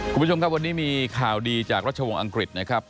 คุณผู้ชมครับวันนี้มีข่าวดีจากรัชวงศ์อังกฤษนะครับ